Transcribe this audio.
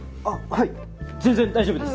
はい全然大丈夫です。